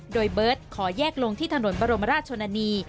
โดยเบิร์ตขอแยกลงที่ถนนบรมราชชนนานี